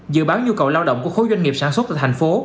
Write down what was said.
dự báo nhu cầu lao động của khối doanh nghiệp sản xuất từ thành phố